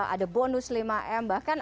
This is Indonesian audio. ada bonus lima m bahkan